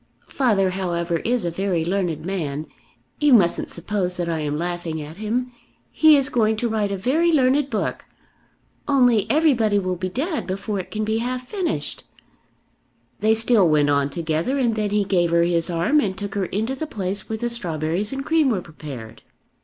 Father however is a very learned man. You mustn't suppose that I am laughing at him. He is going to write a very learned book. Only everybody will be dead before it can be half finished." They still went on together, and then he gave her his arm and took her into the place where the strawberries and cream were prepared.